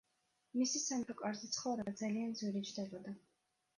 მისი სამეფო კარზე ცხოვრება ძალიან ძვირი ჯდებოდა.